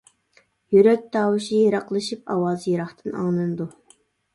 يۈرەك تاۋۇشى يىراقلىشىپ، ئاۋازى يىراقتىن ئاڭلىنىدۇ.